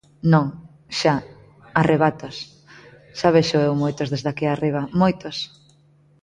Non, xa, arrebatos, xa vexo eu moitos desde aquí arriba, moitos.